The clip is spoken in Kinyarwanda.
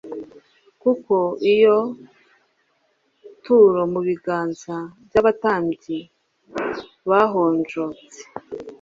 kuko uyo turo mu biganza by'abatambyi bahonjotse